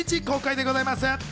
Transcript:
公開でございます。